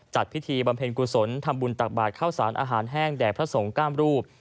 จัดพิธีบำเพ็ญกุศลทำบุญตักบาทเข้าสารอาหารแห้งแด่พระสงฆ์ก้ามรูป